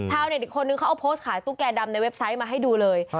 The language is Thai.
อีกคนนึงเขาเอาโพสต์ขายตุ๊กแก่ดำในเว็บไซต์มาให้ดูเลย